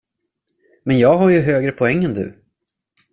Men jag har ju högre poäng än du.